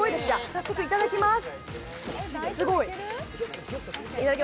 早速いただきます。